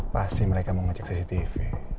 pasti mereka mau ngecek cctv